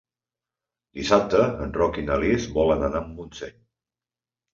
Dissabte en Roc i na Lis volen anar a Montseny.